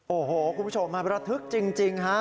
โอ้โหคุณผู้ชมมันระทึกจริงฮะ